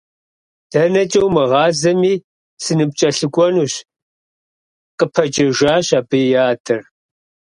ДэнэкӀэ умыгъазэми, сыныпкӀэлъыкӀуэнущ, – къыпэджэжащ абы и адэр.